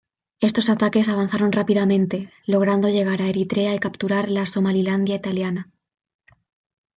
Estos ataques avanzaron rápidamente, logrando llegar a Eritrea y capturar la Somalilandia Italiana.